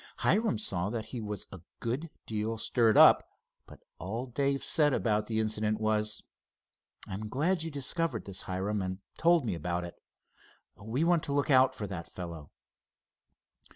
Hiram saw that he was a good deal stirred up, but all Dave said about the incident was: "I'm glad you discovered this, Hiram, and told me about it. We want to look out for that fellow."